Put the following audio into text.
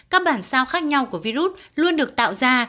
các bản sao khác nhau của virus luôn được tạo ra